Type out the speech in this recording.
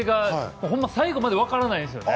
ほんまに最後まで分からないですよね。